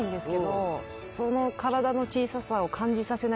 その体の小ささを。